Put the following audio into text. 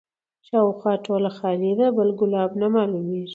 شاوخوا ټوله خالي ده بل ګلاب نه معلومیږي